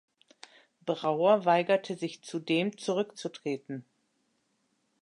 Brauer weigerte sich zudem, zurückzutreten.